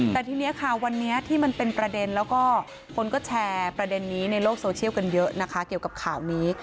แต่ทีนี้ค่ะวันนี้ที่มันเป็นประเด็นแล้วก็คนก็แชร์ประเด็นนี้ในโลกโซเชียลกันเยอะนะคะเกี่ยวกับข่าวนี้